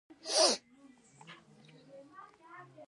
ازادي راډیو د اقتصاد د ستونزو حل لارې سپارښتنې کړي.